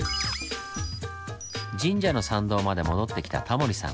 神社の参道まで戻ってきたタモリさん。